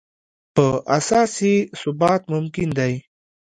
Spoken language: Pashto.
په اساس یې ثبات ممکن دی.